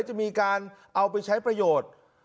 จะมีการเอาไปใช้ประโยชน์